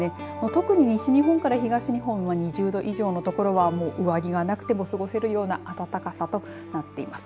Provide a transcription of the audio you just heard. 特に西日本から東日本は２０度以上の所は上着がなくても過ごせるような暖かさとなっています。